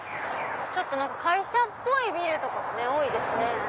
ちょっと会社っぽいビルとか多いですね。